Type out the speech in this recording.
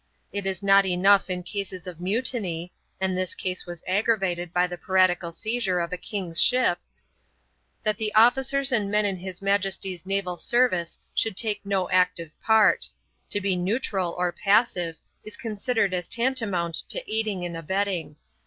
It is not enough in cases of mutiny (and this case was aggravated by the piratical seizure of a king's ship) that the officers and men in his Majesty's naval service should take no active part; to be neutral or passive is considered as tantamount to aiding and abetting.